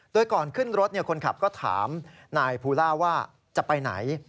โดยก่อนขึ้นรถคนขับก็ถามนายภูล่าว่าจะไปไหน